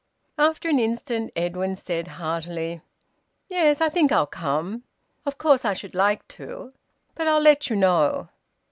After an instant Edwin said heartily "Yes, I think I'll come. Of course I should like to. But I'll let you know."